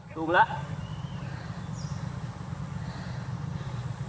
ซ้อมแล้ว